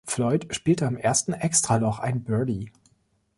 Floyd spielte am ersten Extraloch ein Birdie.